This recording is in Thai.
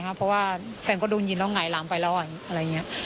เพราะว่าแฟนก็โดนยิงแล้วหงายหลังไปแล้วอะไรอย่างนี้